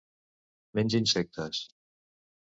Menja insectes.